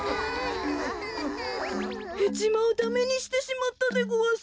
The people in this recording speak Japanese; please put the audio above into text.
ヘチマをダメにしてしまったでごわす。